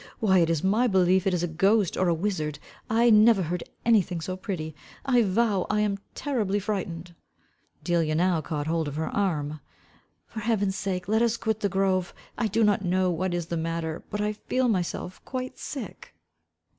Why it is my belief it is a ghost or a wizard. I never heard any thing so pretty I vow, I am terribly frightened." Delia now caught hold of her arm. "For heaven's sake, let us quit the grove. I do not know what is the matter but I feel myself quite sick."